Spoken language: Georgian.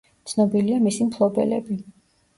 ცნობილია მისი მფლობელები.